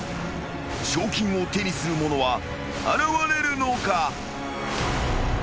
［賞金を手にする者は現れるのか？］